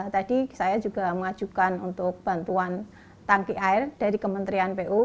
tadi saya juga mengajukan untuk bantuan tangki air dari kementerian pu